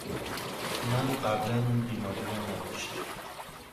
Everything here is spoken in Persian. من قبلاً این بیماری را نداشتم.